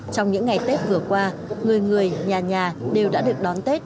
trong những ngày tết vừa qua người người nhà nhà đều đã được đón tết